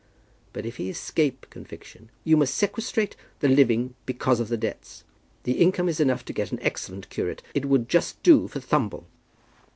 But if he escape conviction, you must sequestrate the living because of the debts. The income is enough to get an excellent curate. It would just do for Thumble."